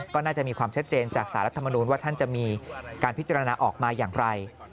ก็น่าจะมีความชัดเจนจากสารรัฐมนุนว่าท่านจะมีการพิจารณาออกมาอย่างไร